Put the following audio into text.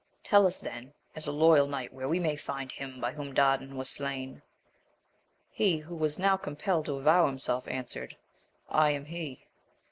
Tell us then, as a loyal knight, where we may find him by whom Dardan was slain. He who was now compelled to avow himself answered, I am he.